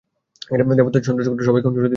দেবতাদের সন্তুষ্ট করতে, সবাইকে অঞ্জলি দিতে হবে।